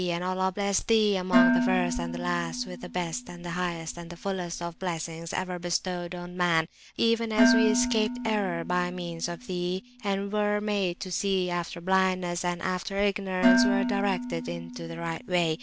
And Allah bless Thee among the First and the Last, with the best, the highest, and the fullest of Blessings ever bestowed on Man; even as we escaped Error by means of Thee, and were made to see after Blindness, and after Ignorance were directed [p.318] into the Right Way.